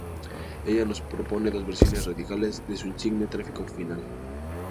Ella nos propone dos versiones radicales de su insigne trágico final.